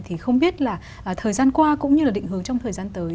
thì không biết là thời gian qua cũng như là định hướng trong thời gian tới